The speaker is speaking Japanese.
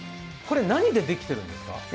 これ、何でできてるんですか？